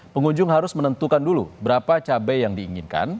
pengunjung harus menentukan dulu berapa cabai yang diinginkan